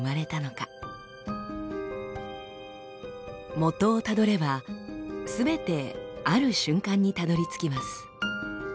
もとをたどればすべてある瞬間にたどりつきます。